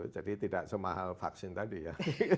jadi tidak semahal vaksin tadi ya